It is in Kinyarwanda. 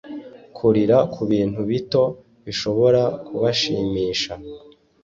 Kurira kubintu bito bishobora kubashimisha.